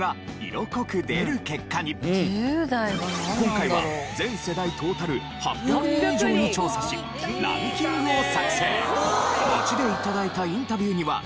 今回は全世代トータル８００人以上に調査しランキングを作成。